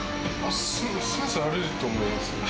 センスがあると思います。